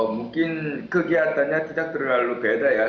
mungkin kegiatannya tidak terlalu beda ya